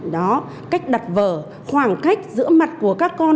đó cách đặt vở khoảng cách giữa mặt của các con